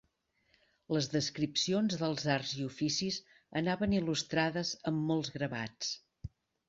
Les descripcions dels arts i oficis anaven il·lustrades amb molts gravats.